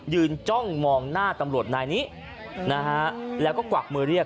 จ้องมองหน้าตำรวจนายนี้นะฮะแล้วก็กวักมือเรียก